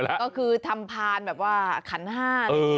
ก็คือทำพานคันห้า